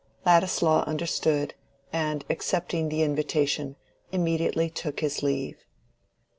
Ladislaw understood, and accepting the invitation immediately took his leave.